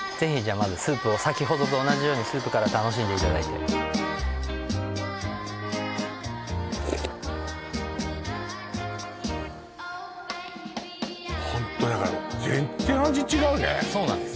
まずスープを先ほどと同じようにスープから楽しんでいただいてホントだから全然味違うねそうなんです